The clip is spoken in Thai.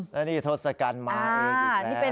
แล้วนี่ทศกัณฐ์มาอื่นอีกแล้วนะ